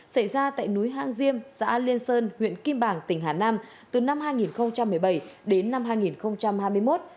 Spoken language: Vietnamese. xảy ra tại núi hăng diêm xã liên sơn huyện kim bảng tỉnh hà nam từ năm hai nghìn một mươi bảy đến năm hai nghìn hai mươi một